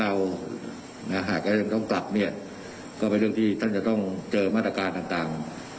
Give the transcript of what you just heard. หากก็ยังต้องกลับเนี่ยก็เป็นเรื่องที่ท่านจะต้องเจอมาตรการต่าง